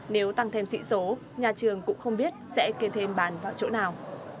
nếu tăng thêm sĩ số nhà trường cũng không biết sẽ kê thêm bàn vào chỗ nào